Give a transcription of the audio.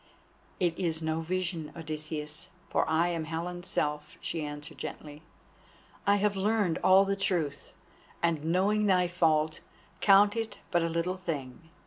"It is no vision, Odysseus, for I am Helen's self," she answered gently. "I have learned all the truth, and knowing thy fault, count it but a little thing.